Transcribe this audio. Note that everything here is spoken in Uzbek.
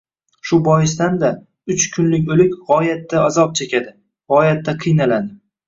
Shu boisdan-da, uch kunlik o‘lik g‘oyatda azob chekadi, g‘oyatda kiynaladi.